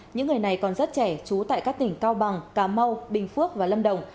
những người này còn rất trẻ chú tại các tỉnh cao bằng cà mau bình phước và lâm đồng